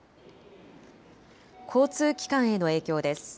交通機関への影響です。